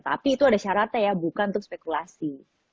tapi itu ada syaratnya ya bukan untuk spekulasi